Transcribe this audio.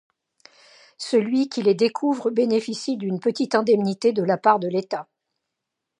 Celui qui les découvre bénéficie d'une petite indemnité de la part de l'État.